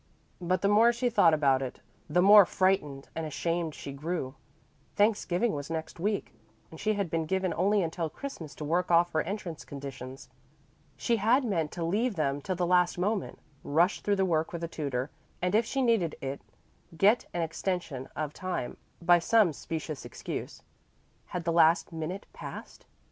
But the more she thought about it, the more frightened and ashamed she grew. Thanksgiving was next week, and she had been given only until Christmas to work off her entrance conditions. She had meant to leave them till the last moment, rush through the work with a tutor, and if she needed it get an extension of time by some specious excuse. Had the last minute passed?